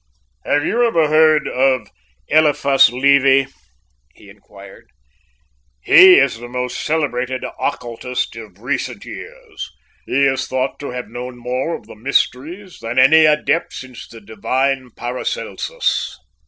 "Have you ever heard of Eliphas Levi?" he inquired. "He is the most celebrated occultist of recent years. He is thought to have known more of the mysteries than any adept since the divine Paracelsus."